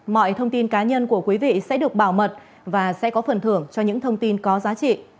mọi thông tin cá nhân của quý vị sẽ được bảo mật và sẽ có phần thưởng cho những thông tin có giá trị